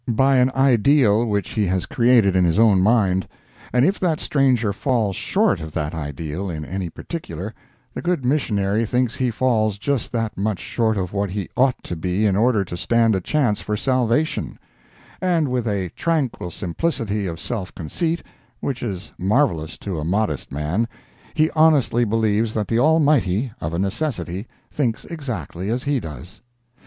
by an ideal which he has created in his own mind—and if that stranger falls short of that ideal in any particular, the good missionary thinks he falls just that much short of what he ought to be in order to stand a chance for salvation; and with a tranquil simplicity of self conceit, which is marvelous to a modest man, he honestly believes that the Almighty, of a necessity, thinks exactly as he does.